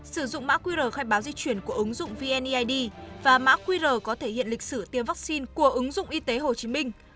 sử dụng mã qr khai báo di chuyển của ứng dụng vneid và mã qr có thể hiện lịch sử tiêm vaccine của ứng dụng y tế hồ chí minh